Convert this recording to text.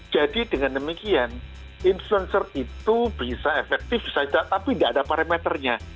jadi dengan demikian influencer itu bisa efektif bisa tidak tapi tidak ada parameternya